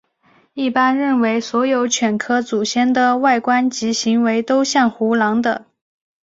一般认为所有犬科祖先的外观及行为都像胡狼的。